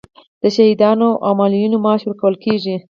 د شهیدانو او معلولینو معاش ورکول کیږي؟